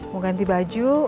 mau ganti baju